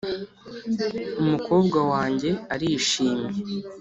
"umukobwa wanjye arishimye,